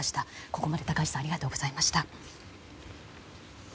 ここまで高橋さんありがとうございました。